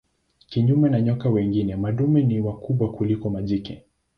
Kinyume na nyoka wengine madume ni wakubwa kuliko majike.